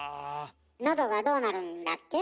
のどがどうなるんだっけ？